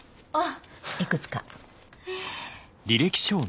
いくつか。